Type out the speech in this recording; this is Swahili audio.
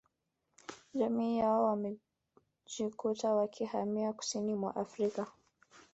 Jamii yao wamejikuta wakihamia kusini mwa Afrika